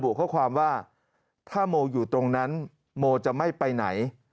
ข้อความว่าถ้าโมอยู่ตรงนั้นโมจะไม่ไปไหน